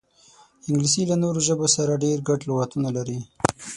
انګلیسي له نورو ژبو سره ډېر ګډ لغاتونه لري